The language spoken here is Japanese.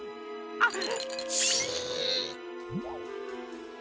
あっ。